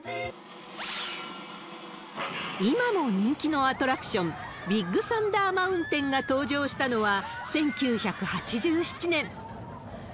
今も人気のアトラクション、ビッグサンダー・マウンテンが登場したのは、１９８７年。